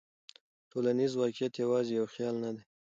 ټولنیز واقعیت یوازې یو خیال نه دی.